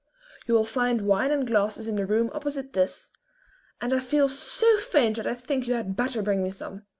You will find wine and glasses in the room opposite this, and I feel so faint that I think you had better bring me some."